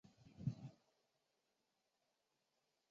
波顿与弗雷克结婚后生活在纽约布鲁克林区。